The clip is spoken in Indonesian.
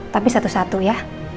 tapi satu satu ya